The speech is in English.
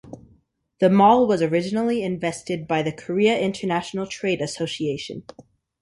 The mall was originally invested by the Korea International Trade Association.